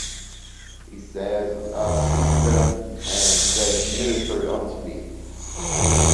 He says I have seen them, and they have ministered unto me.